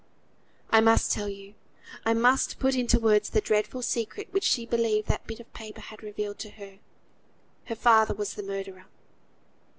I must tell you; I must put into words the dreadful secret which she believed that bit of paper had revealed to her. Her father was the murderer!